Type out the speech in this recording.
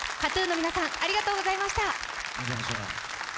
ＫＡＴ−ＴＵＮの皆さん、ありがとうございました。